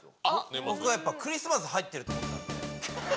僕はやっぱクリスマス入ってると思った。